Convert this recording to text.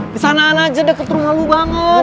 di sana aja deket rumah lu banget